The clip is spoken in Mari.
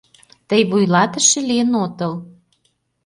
Тый вуйлатыше лийын отыл.